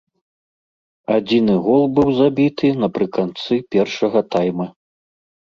Адзіны гол быў забіты напрыканцы першага тайма.